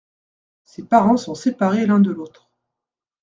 Ses parents sont séparés l’un de l’autre.